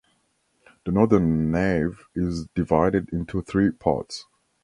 The northern nave is divided into three parts.